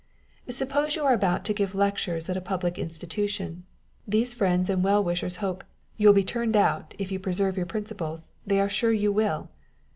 Suppose you are about to give lectures at a public in stitution, these friends and well wishers hope " you'll be turned out â€" if you preserve your principles, they are sure you will."